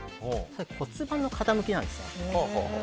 それは骨盤の傾きなんですね。